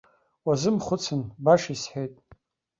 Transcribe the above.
Уазымхәыцын, баша исҳәеит.